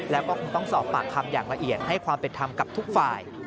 แล้วก็คงต้องสอบปากคำอย่างละเอียดให้ความเป็นธรรมกับทุกฝ่าย